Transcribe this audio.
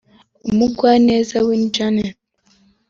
Umugwaneza Winnie Janet